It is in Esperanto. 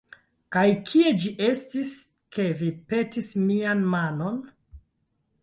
Kaj kie ĝi estis, ke vi petis mian manon?